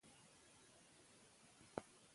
د سولې لپاره الزامات د خبرو پر بنسټ ټاکل شوي.